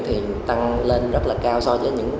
thì tăng lên rất là cao so với những